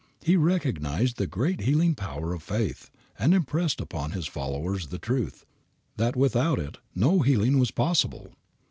He recognized the great healing power of faith, and impressed upon His followers the truth, that without it no healing was possible.